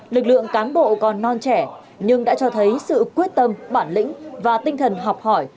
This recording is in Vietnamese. lực lượng cán bộ còn non trẻ nhưng đã cho thấy sự quyết tâm bản lĩnh và tinh thần học hỏi